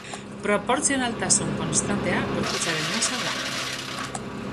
Proportzionaltasun konstantea gorputzaren masa da.